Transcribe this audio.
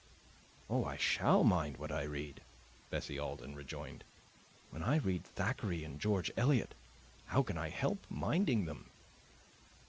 "Oh, I SHALL mind what I read!" Bessie Alden rejoined. "When I read Thackeray and George Eliot, how can I help minding them?"